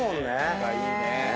仲いいね。